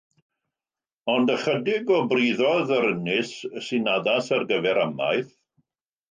Ond ychydig o briddoedd yr ynys sy'n addas ar gyfer amaeth.